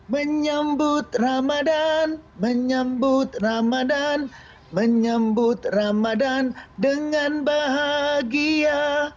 menyambut ramadhan menyambut ramadhan menyambut ramadhan dengan bahagia